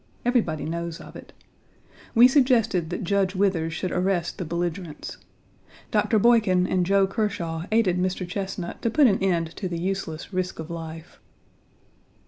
Everybody knows of it. We suggested that Judge Withers should arrest the belligerents. Dr. Boykin and Joe Kershaw 1 aided Mr. Chesnut to put an end to the useless risk of life.